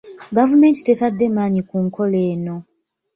Gavumenti tetadde maanyi mu nkola eno.